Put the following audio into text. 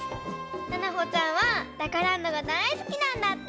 ななほちゃんは「ダカランド」がだいすきなんだって！